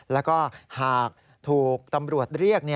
แล้วก็หากถูกตำรวจเรียก